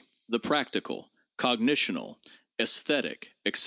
the practical, cognitional, esthetic, etc.